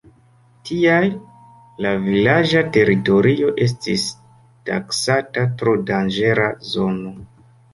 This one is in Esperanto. Tial, la vilaĝa teritorio estis taksata tro danĝera zono.